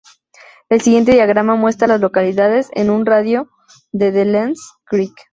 El siguiente diagrama muestra a las localidades en un radio de de Lance Creek.